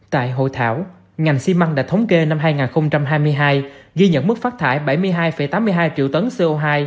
tại hội thảo ngành xi măng đã thống kê năm hai nghìn hai mươi hai ghi nhận mức phát thải bảy mươi hai tám mươi hai triệu tấn co hai